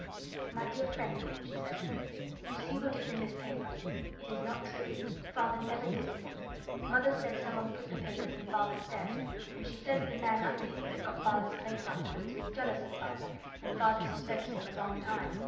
"My dear Friend," she said, "you see what is in this paper. It is not true. Father never did it. Mother says someone put the papers in Father's desk, and she says the man under him that got Father's place afterwards was jealous of Father, and Father suspected him a long time.